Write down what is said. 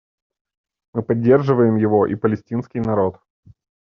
Мы поддерживаем его и палестинский народ.